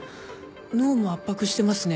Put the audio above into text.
脳も圧迫してますね。